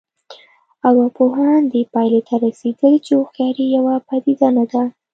ارواپوهان دې پایلې ته رسېدلي چې هوښیاري یوه پدیده نه ده